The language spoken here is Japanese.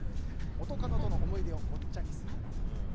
元カノとの思い出をごっちゃにするなと。